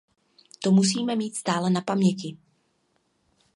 To musíme mít stále na paměti.